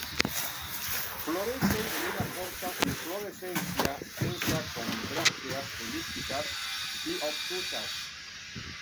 Florece en una corta inflorescencia densa con brácteas elípticas y obtusas.